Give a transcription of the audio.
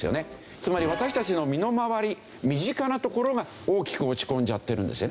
つまり私たちの身の回り身近なところが大きく落ち込んじゃってるんですね。